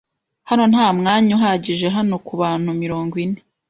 Hano nta mwanya uhagije hano kubantu mirongo ine.